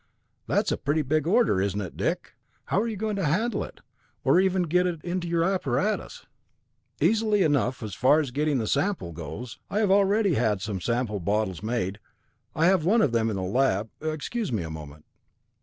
"That's a pretty big order, isn't it, Dick? How are you going to handle it, or even get it into your apparatus?" "Easily enough as far as getting the sample goes. I have already had some sample bottles made. I have one of them in the lab excuse me a moment."